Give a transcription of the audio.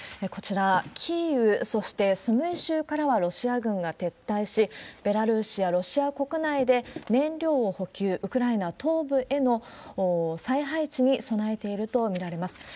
こちら、キーウ、そしてスムイ州からはロシア軍が撤退し、ベラルーシやロシア国内で燃料を補給、ウクライナ東部への再配置に備えていると見られます。